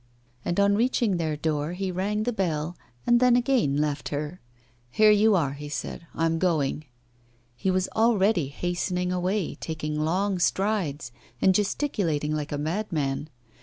And on reaching their door, he rang the bell, and then again left her. 'Here you are,' he said; 'I'm going.' He was already hastening away, taking long strides, and gesticulating like a madman.